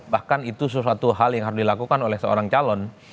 bahkan itu sesuatu hal yang harus dilakukan oleh seorang calon